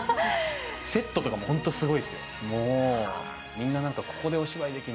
セットとかもほんとすごいっすよ。